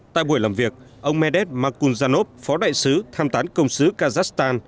tại buổi làm việc ông medet makuljanov phó đại sứ tham tán công sứ kazakhstan